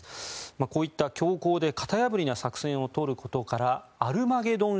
こういった強硬で型破りな作戦を取ることからアルマゲドン